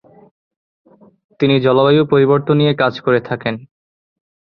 তিনি জলবায়ু পরিবর্তন নিয়ে কাজ করে থাকেন।